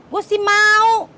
gue sih mau